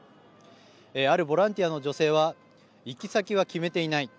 あるボランティアの女性は行き先は決めていない